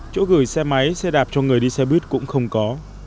chỗ gửi xe máy xe đạp cho người đi xe buýt cũng không có